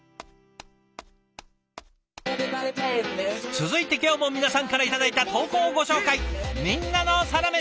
続いて今日も皆さんから頂いた投稿をご紹介。